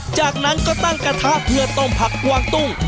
จากนั้นก็ตั้งกระทะเพื่อต้มผักกวางตุ้ง